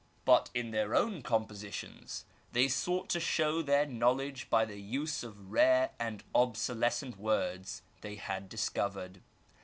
But in their own compositions they sought to show their know ledge by the use of rare and obsolescent words they had dis covered.